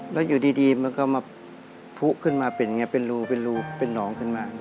แล้วอยู่ดีก็มาผู้ขึ้นมาเป็นรูเป็นรูเป็นหลองขึ้นมา